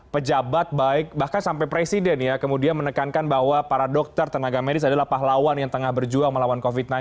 pejabat baik bahkan sampai presiden ya kemudian menekankan bahwa para dokter tenaga medis adalah pahlawan yang tengah berjuang melawan covid sembilan belas